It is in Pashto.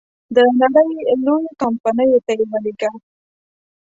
د نړی لویو کمپنیو ته یې ولېږه.